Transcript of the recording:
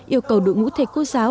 yêu cầu đội ngũ thầy cô giáo